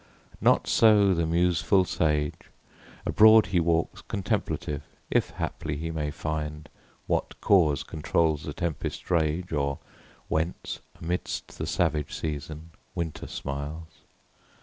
Not so the museful sage:—abroad he walks Contemplative, if haply he may find What cause controls the tempest's rage, or whence, Amidst the savage season, Winter smiles.